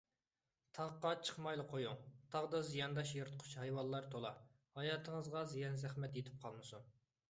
تاغقا چىقمايلا قويۇڭ، تاغدا زىيانداش يىرتقۇچ ھايۋانلار تولا، ھاياتىڭىزغا زىيان - زەخمەت يېتىپ قالمىسۇن.